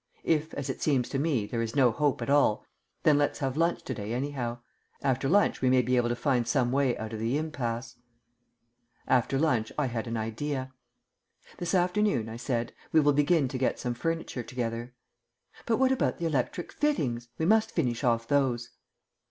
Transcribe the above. If, as seems to me, there is no hope at all, then let's have lunch to day anyhow. After lunch we may be able to find some way out of the impasse." After lunch I had an idea. "This afternoon," I said, "we will begin to get some furniture together." "But what about the electric fittings? We must finish off those."